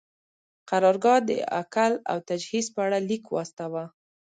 قرارګاه د اکل او تجهیز په اړه لیک واستاوه.